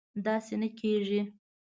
داسې نه کېږي